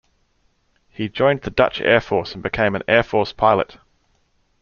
He joined the Dutch airforce and became an airforce pilot.